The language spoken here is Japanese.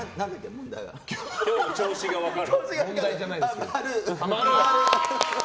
今日の調子が分かる。